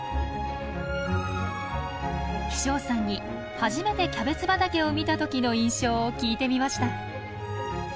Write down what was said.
飛翔さんに初めてキャベツ畑を見た時の印象を聞いてみました。